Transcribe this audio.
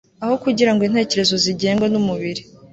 aho kugira ngo intekerezo zigengwe n'umubiri